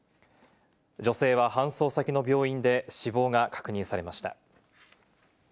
女性は搬送先の病院で死亡が確認されました。